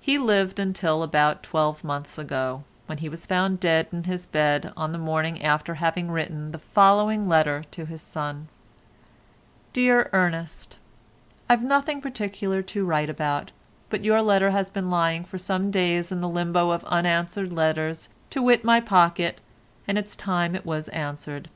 He lived until about twelve months ago, when he was found dead in his bed on the morning after having written the following letter to his son:— "Dear Ernest,—I've nothing particular to write about, but your letter has been lying for some days in the limbo of unanswered letters, to wit my pocket, and it's time it was answered.